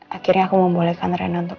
akhirnya aku membolehkan rena untuk